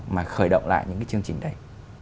mà khởi động lại những cái chương trình đấy